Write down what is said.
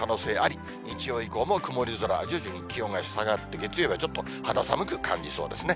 日曜以降も曇り空、徐々に気温が下がって月曜日はちょっと肌寒く感じそうですね。